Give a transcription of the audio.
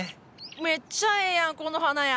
めっちゃええやんこの花屋！